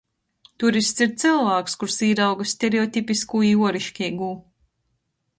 Turists ir cylvāks, kurs īrauga stereotipiskū i uoriškeigū.